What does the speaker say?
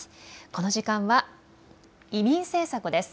この時間は移民政策です。